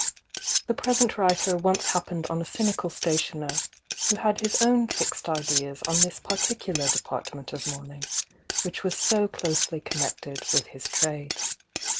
The present writer once happened on a cynical stationer, who had his own fixed Ideas on this particular department of moummg which was so closely connected with his trade.